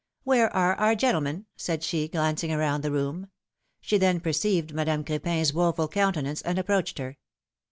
Where are our gentlemen?'^ said she, glancing around the room. She then perceived Madame Cr^pin's woful countenance, and approached her.